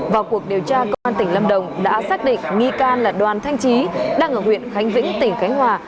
vào cuộc điều tra cơ quan tỉnh lâm đồng đã xác định nghi can là đoàn thanh chí đang ở huyện khánh vĩnh tỉnh khánh hòa